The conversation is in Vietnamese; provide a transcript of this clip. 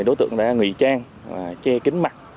đối tượng đã nghỉ trang che kính mặt